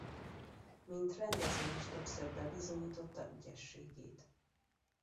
Mint rendező is többször bebizonyította ügyességét.